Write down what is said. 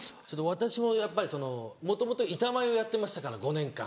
私もやっぱりもともと板前をやっていましたから５年間。